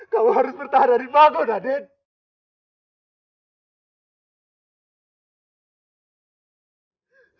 kamu harus bertahan adit bangun adit